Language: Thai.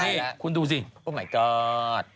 นี่คุณดูสิโอ้มายก็อด